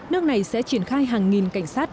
nước này sẽ triển khai hàng nghìn cảnh sát